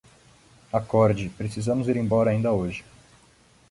Acorde, precisamos ir embora ainda hoje